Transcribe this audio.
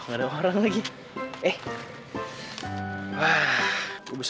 satu lagi lah